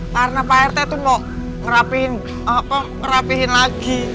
karena pak rt tuh mau ngerapihin ngerapihin lagi